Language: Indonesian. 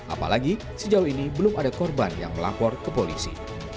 apalagi sejauh ini belum ada korban yang melapor ke polisi